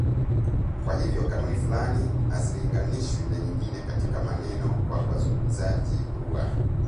Kwa hivyo kanuni fulani hazilinganishwi na nyingine katika maneno kwa wazungumzaji lugha